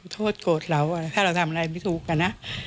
โทษโกรธเราถ้าเราทำอะไรไม่ถูกอะนะ